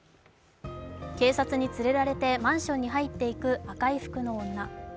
警察に連れられてマンションに入っていく赤い服の女。